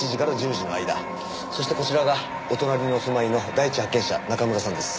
そしてこちらがお隣にお住まいの第一発見者中村さんです。